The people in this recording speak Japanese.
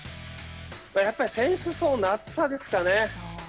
やっぱり選手層の厚さですかね。